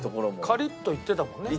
カリッといってたもんね。